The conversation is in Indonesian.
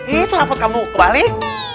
itu rapat kamu kebalik